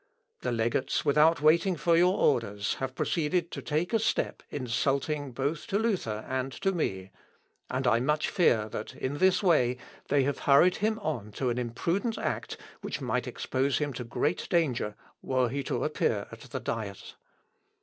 The Legates without waiting for your orders, have proceeded to take a step insulting both to Luther and to me, and I much fear, that in this way they have hurried him on to an imprudent act which might expose him to great danger were he to appear at the Diet."